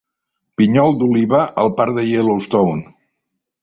Pinyol d'oliva al parc de Yellowstone.